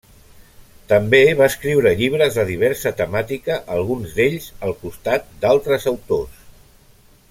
També va escriure llibres de diversa temàtica, alguns d'ells al costat d'altres autors.